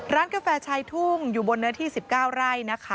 ร้านกาแฟชัยทุ่งอยู่บนเนื้อที่๑๙ไร่